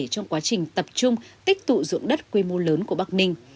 trong quá trình tập trung tích tụ dụng đất quy mô lớn của bắc ninh